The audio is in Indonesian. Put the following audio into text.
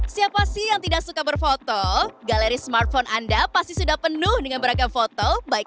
siapa sih yang tidak suka berfoto galeri smartphone anda pasti sudah penuh dengan beragam foto baik